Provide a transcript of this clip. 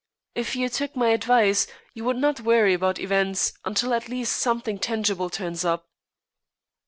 If you took my advice, you would not worry about events until at least something tangible turns up."